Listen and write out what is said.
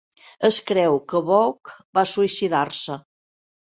Es creu que Boake va suïcidar-se.